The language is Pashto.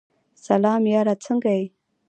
سلام یاره سنګه یی ؟